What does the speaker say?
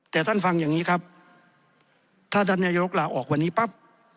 แต่ท่านฟังอย่างนี้ครับถ้าท่านนายกลาออกวันนี้ปั๊บ